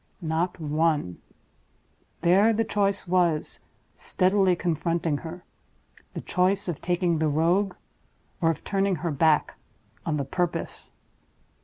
Not one! There the choice was, steadily confronting her: the choice of taking the Rogue, or of turning her back on the Purpose.